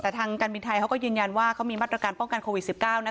แต่ทางการบินไทยเขาก็ยืนยันว่าเขามีมาตรการป้องกันโควิด๑๙นะ